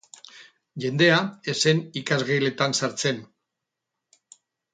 Jendea ez zen ikasgeletan sartzen.